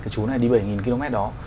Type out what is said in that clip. cái chú này đi bảy nghìn km đó